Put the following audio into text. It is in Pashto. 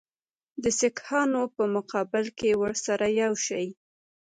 د سیکهانو په مقابل کې ورسره یو شي.